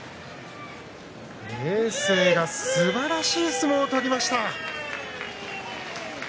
明生がすばらしい相撲を取りました。